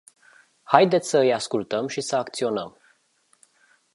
Haideți să îi ascultăm și să acționăm.